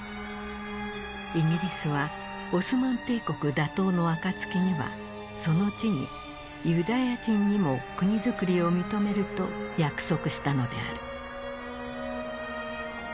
イギリスはオスマン帝国打倒の暁にはその地にユダヤ人にも国づくりを認めると約束したのである。